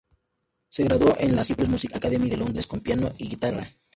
Se graduó en la Cyprus Music Academy de Londres con piano y guitarra.